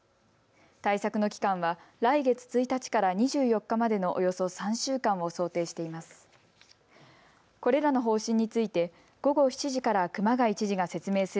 対策の期間は来月１日から２４日までのおよそ３週間を想定しています。